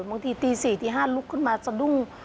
บางทีตี๔ตี๕ลุกขึ้นมาสะดุ้ง